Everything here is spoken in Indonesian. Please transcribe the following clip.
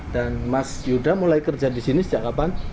dan mas yuda mulai kerja disini sejak kapan